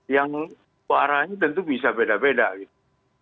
yang kearahannya tentu bisa beda beda gitu